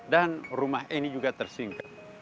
dan rumah ini juga tersingkap